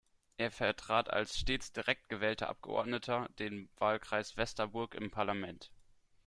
Er vertrat als stets direkt gewählter Abgeordneter den Wahlkreis Westerburg im Parlament.